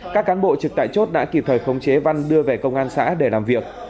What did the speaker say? các cán bộ trực tại chốt đã kịp thời khống chế văn đưa về công an xã để làm việc